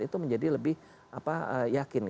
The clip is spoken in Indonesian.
itu menjadi lebih yakin